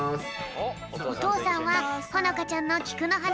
おとうさんはほのかちゃんのきくのはな